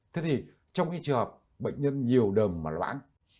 thế thì trong khi trường hợp bệnh nhân nhiều đờm mà loãng